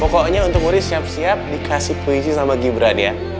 pokoknya untuk muri siap siap dikasih puisi sama gibran ya